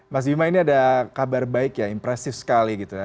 mas bima ini ada kabar baik ya impresif sekali gitu ya